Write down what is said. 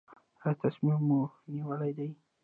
ایا تصمیم مو نیولی دی؟